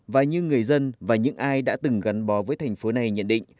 và như người dân và những ai đã từng gắn bó với thành phố này nhận định